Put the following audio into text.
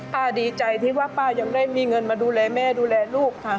ดีใจที่ว่าป้ายังได้มีเงินมาดูแลแม่ดูแลลูกค่ะ